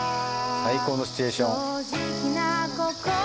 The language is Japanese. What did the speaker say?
最高のシチュエーション。